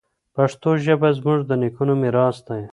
پښتو ژبه زموږ د نیکونو میراث دی.